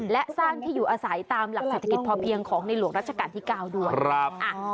และสร้างที่อยู่อาศัยตามหลักเศรษฐกิจพอเพียงของในหลวงรัชกาลที่๙ด้วยครับ